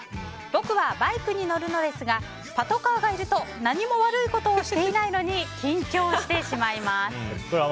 僕はバイクに乗るのですがパトカーがいると何も悪いことをしていないのに緊張してしまいます。